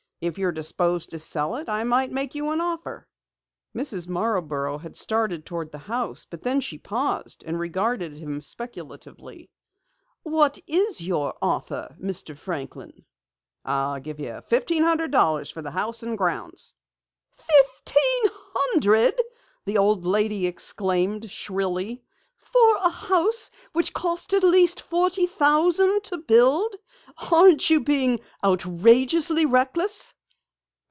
If you're disposed to sell it I might make you an offer." Mrs. Marborough had started toward the house, but then she paused and regarded him speculatively. "What is your offer, Mr. Franklin?" "I'll give you fifteen hundred for the house and grounds." "Fifteen hundred!" the old lady exclaimed shrilly. "For a house which cost at least forty thousand to build! Aren't you being outrageously reckless?"